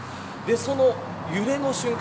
その揺れの瞬間